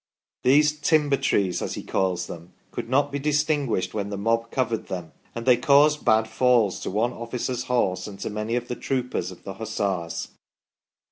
These "timber trees," as he calls them, " could not be distinguished when the mob covered them, and they caused bad falls to one officer's horse and to many of the troopers " of the Hussars.